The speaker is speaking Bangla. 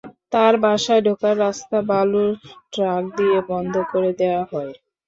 তাঁর বাসায় ঢোকার রাস্তা বালুর ট্রাক দিয়ে বন্ধ করে দেওয়া হয়।